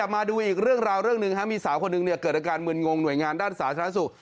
มาดูอีกเรื่องราวเรื่องหนึ่งมีสาวคนหนึ่งเกิดอาการมึนงงหน่วยงานด้านสาธารณสุข